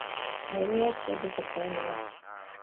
მელიას კუდი გრძელია.